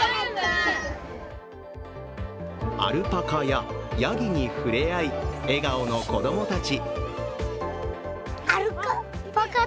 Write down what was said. アルパカや、やぎに触れ合い笑顔の子供たち。